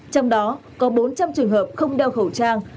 trong đó có bốn trăm linh trường hợp không đeo khẩu trang